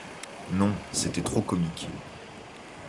Non, c'était trop comique.